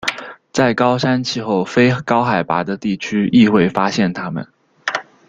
在高山气候非高海拔的地区亦会发现它们。